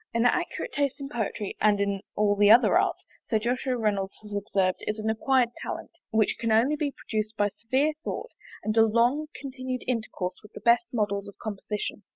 An accurate taste in poetry, and in all the other arts, Sir Joshua Reynolds has observed, is an acquired talent, which can only be produced by severe thought, and a long continued intercourse with the best models of composition.